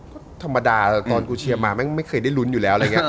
ก็ธรรมดาตอนกูเชียร์มาไม่เคยได้รุ้นอยู่แล้ว